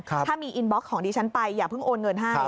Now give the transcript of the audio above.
ถ้ามีอินบล็อกของดิฉันไปอย่าเพิ่งโอนเงินให้